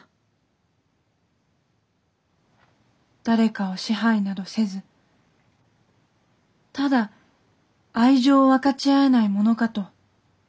誰かを支配などせずただ愛情を分かち合えないものかと。